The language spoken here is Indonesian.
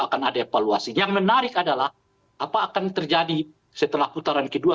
akan ada evaluasi yang menarik adalah apa akan terjadi setelah putaran kedua